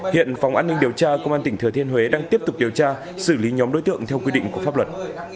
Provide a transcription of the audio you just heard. hiện phòng an ninh điều tra công an tỉnh thừa thiên huế đang tiếp tục điều tra xử lý nhóm đối tượng theo quy định của pháp luật